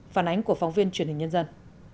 phản ánh của phóng viên truyền hình nhân dân